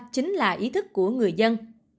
chính là ý thức của người dân